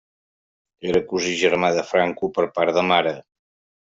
Era cosí germà de Franco per part de mare.